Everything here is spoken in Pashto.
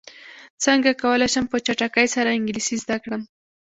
څنګه کولی شم په چټکۍ سره انګلیسي زده کړم